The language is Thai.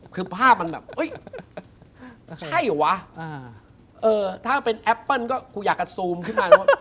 คือภาพมันแบบใช่เหรอวะเออถ้าเป็นแอปเปิ้ลก็กูอยากจะซูมขึ้นมา